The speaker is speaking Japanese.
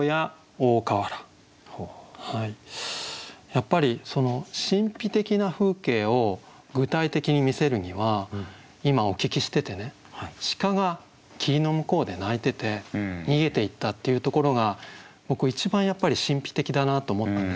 やっぱり神秘的な風景を具体的に見せるには今お聞きしててね鹿が霧の向こうで鳴いてて逃げていったっていうところが僕一番やっぱり神秘的だなと思ったんですよ。